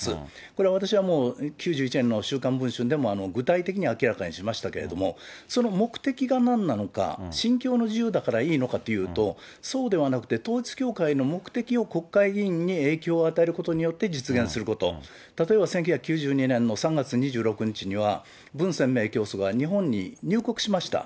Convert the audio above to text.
これ、私はもう９１年の週刊文春でも、具体的に明らかにしましたけれども、その目的がなんなのか、信教の自由だからいいのかというと、そうではなくて、統一教会の目的を国会議員に影響を与えることによって実現すること、例えば、１９９２年の３月２６日には、文鮮明教祖が日本に入国しました。